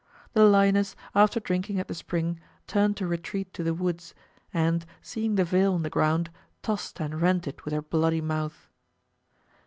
The lioness after drinking at the spring turned to retreat to the woods, and seeing the veil on the ground, tossed and rent it with her bloody mouth.